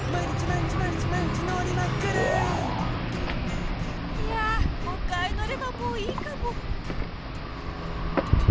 いや５回のればもういいかも。